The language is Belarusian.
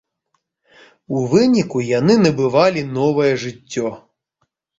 У выніку яны набывалі новае жыццё.